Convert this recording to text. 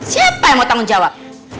siapa yang mau tanggung jawab